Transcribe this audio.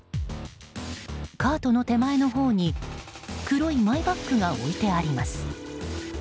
カートの手前のほうに黒いマイバッグが置いてあります。